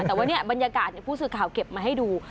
แต่ว่าเนี่ยบรรยากาศผู้สื่อข่าวเก็บมาให้ดู